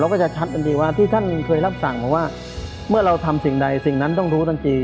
ก็จะชัดทันทีว่าที่ท่านเคยรับสั่งมาว่าเมื่อเราทำสิ่งใดสิ่งนั้นต้องรู้ทันที